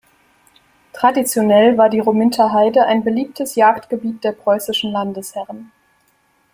Traditionell war die Rominter Heide ein beliebtes Jagdgebiet der preußischen Landesherren.